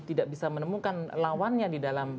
tidak bisa menemukan lawannya di dalam